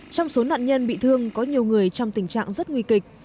trong số nạn nhân bị thương có nhiều người trong tình trạng rất nguy kịch